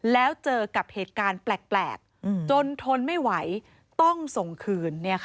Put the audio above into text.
แล้วเจอกับเหตุการณ์แปลกจนทนไม่ไหวต้องส่งคืน